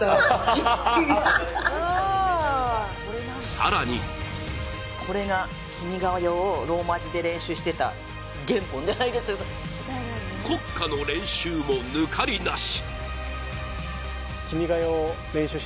更に国歌の練習も抜かりなし。